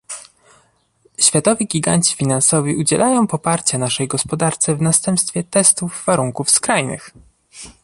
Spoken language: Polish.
światowi giganci finansowi udzielają poparcia naszej gospodarce w następstwie testów warunków skrajnych